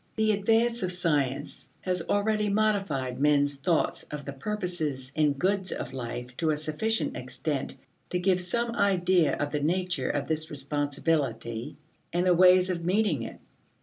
The advance of science has already modified men's thoughts of the purposes and goods of life to a sufficient extent to give some idea of the nature of this responsibility and the ways of meeting it.